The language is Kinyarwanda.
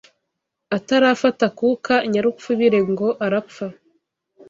Atarafata akuka Nyarupfubire ngo aragapfa